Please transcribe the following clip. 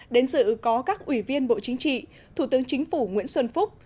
đến dự có các ủy viên bộ chính trị thủ tướng chính phủ nguyễn xuân phúc